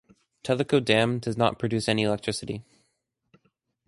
Tellico Dam does not produce any electricity.